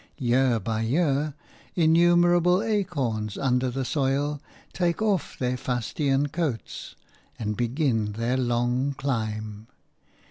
Year by year innumerable acorns under the soil take off their fustian coats and begin their long climb.